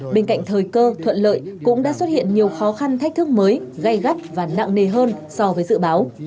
bên cạnh thời cơ thuận lợi cũng đã xuất hiện nhiều khó khăn thách thức mới gây gắt và nặng nề hơn so với dự báo